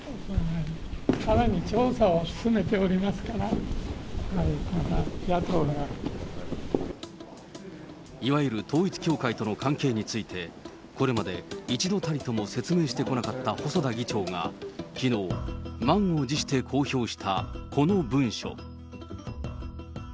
さらに調査を進めておりますから、いわゆる統一教会との関係について、これまで一度たりとも説明してこなかった細田議長がきのう、満を持して公表したこの文書。